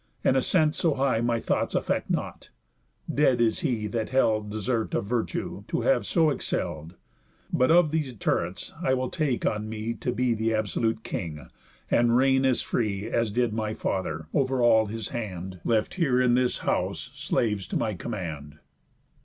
An ascent so high My thoughts affect not. Dead is he that held Desert of virtue to have so excell'd. But of these turrets I will take on me To be the absolute king, and reign as free, As did my father, over all his hand Left here in this house slaves to my command."